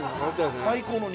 最高の肉！